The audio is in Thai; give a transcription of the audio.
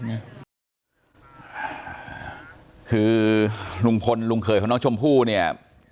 คือลุงพลลุงเขยของน้องชมพู่เนี่ย